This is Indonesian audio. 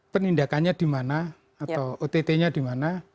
penindakannya dimana atau ott nya dimana